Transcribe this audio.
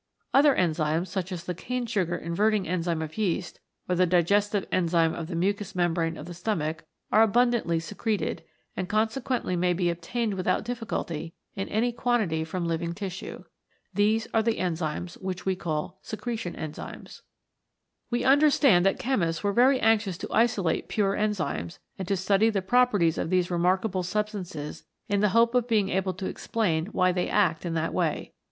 Other enzymes, such as the cane sugar inverting enzyme of yeast, or the digestive enzyme of the mucous membrane of the stomach are abundantly secreted and conse quently may be obtained without difficulty in any quantity from living tissue. These are the enzymes which we call Secretion Enzymes. We understand that chemists were very anxious to isolate pure enzymes and to study the pro perties of these most remarkable substances in the hope of being able to explain why they act in that way.